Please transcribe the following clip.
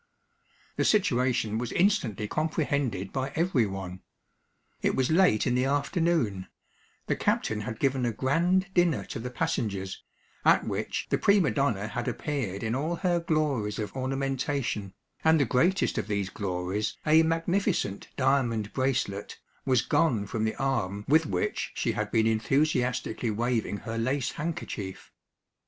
The situation was instantly comprehended by every one. It was late in the afternoon; the captain had given a grand dinner to the passengers, at which the prima donna had appeared in all her glories of ornamentation, and the greatest of these glories, a magnificent diamond bracelet, was gone from the arm with which she had been enthusiastically waving her lace handkerchief.